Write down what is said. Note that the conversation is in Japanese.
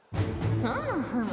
ふむふむ。